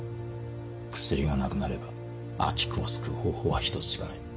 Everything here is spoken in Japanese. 薬がなくなれば安芸君を救う方法は１つしかない。